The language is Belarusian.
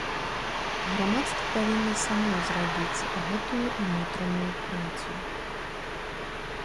Грамадства павінна само зрабіць гэтую ўнутраную працу.